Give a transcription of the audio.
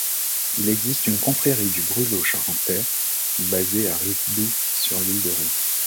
Il existe une confrérie du brûlot charentais, basée à Rivedoux, sur l'île de Ré.